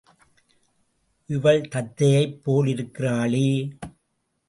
இவள் தத்தையைப் போலிருக்கிறாளே?